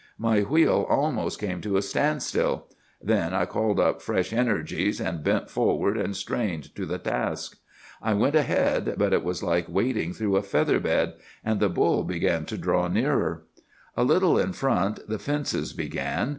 My wheel almost came to a standstill. Then I called up fresh energies, and bent forward and strained to the task. I went ahead, but it was like wading through a feather bed; and the bull began to draw nearer. "'A little in front the fences began.